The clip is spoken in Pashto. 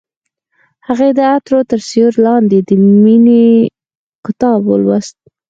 هغې د عطر تر سیوري لاندې د مینې کتاب ولوست.